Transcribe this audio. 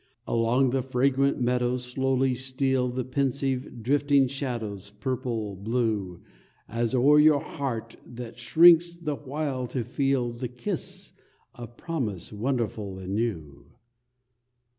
Along the fragrant meadows slowly steal, The pensive, drifting shadows, purple blue, As o'er your heart, that shrinks the while to feel The kiss of promise wonderful and new.